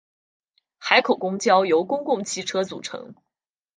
海口公交由公共汽车组成。